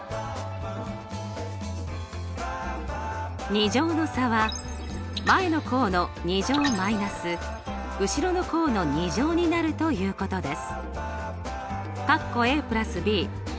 ２乗の差は前の項の２乗−後ろの項の２乗になるということです。